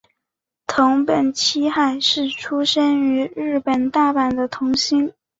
藤本七海是出身于日本大阪的童星。